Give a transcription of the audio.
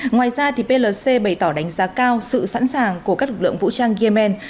ngoài ra plc bày tỏ đánh giá cao sự sẵn sàng của các lực lượng vũ trang yemen